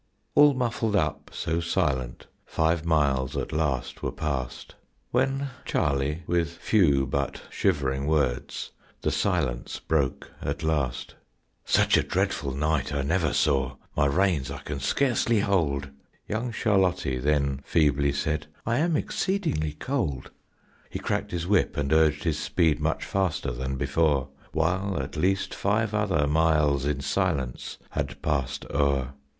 All muffled up so silent, five miles at last were past When Charlie with few but shivering words, the silence broke at last. "Such a dreadful night I never saw, my reins I can scarcely hold." Young Charlottie then feebly said, "I am exceedingly cold." He cracked his whip and urged his speed much faster than before, While at least five other miles in silence had passed o'er.